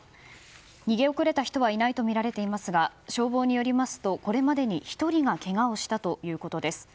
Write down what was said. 逃げ遅れた人はいないとみられていますが消防によりますと、これまでに１人がけがをしたということです。